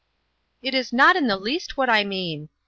" It is not in the least what I mean.